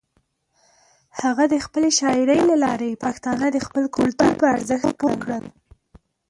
هغه د خپلې شاعرۍ له لارې پښتانه د خپل کلتور پر ارزښت پوه کړل.